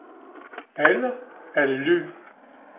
elle, elle lut.